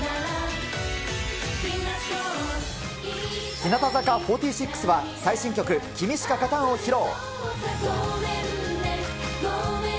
日向坂４６は、最新曲、君しか勝たんを披露。